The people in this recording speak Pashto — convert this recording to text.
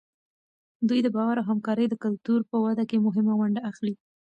دوی د باور او همکارۍ د کلتور په وده کې مهمه ونډه اخلي.